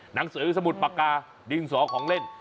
หนังสือสมุดปากกาดินสอของเล่น